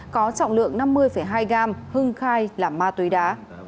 có trọng lượng năm mươi hai gram hưng khai là ma túy đá